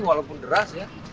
walaupun deras ya